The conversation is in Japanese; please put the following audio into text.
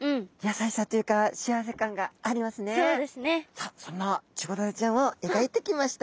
さあそんなチゴダラちゃんを描いてきました。